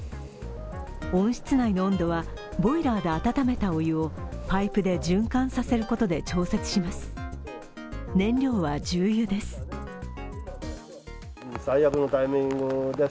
温室内の温度はボイラーであたためたお湯をパイプで循環させることで調節します。